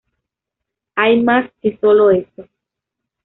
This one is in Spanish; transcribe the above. Hay más que solo eso.